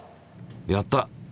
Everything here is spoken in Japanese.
やった！